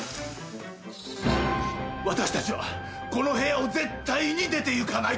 私たちはこの部屋を絶対に出ていかない！